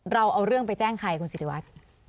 เราเอาเรื่องไปแจ้งใครคุณสิริวัตร